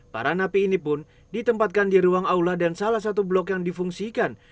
para napi ini pun ditempatkan di ruang aula dan salah satu blok yang difungsikan